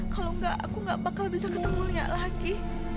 kalau enggak aku gak bakal bisa ketemu lia lagi